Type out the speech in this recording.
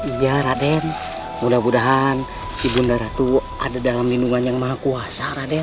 iya raden mudah mudahan ibunda ratu ada dalam lindungan yang maha kuasa raden